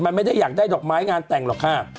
มันไม่ได้อยากได้ดอกไม้งานแต่งหรอกค่ะ